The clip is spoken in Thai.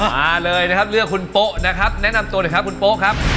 มาเลยนะครับเลือกคุณโป๊ะนะครับแนะนำตัวหน่อยครับคุณโป๊ะครับ